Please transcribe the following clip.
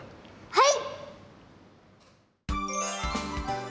はい！